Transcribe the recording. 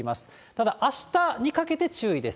ただあしたにかけて注意です。